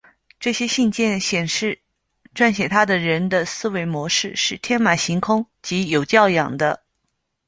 这些信件显示撰写它的人的思维模式是天马行空及有教养的。